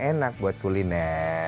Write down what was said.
enak buat kuliner